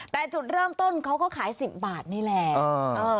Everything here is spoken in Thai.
แต่จุดเริ่มต้นเขาก็ขาย๑๐บาทนี่แหละ